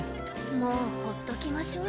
もうほっときましょ。